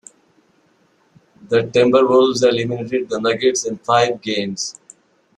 The Timberwolves eliminated the Nuggets in five games.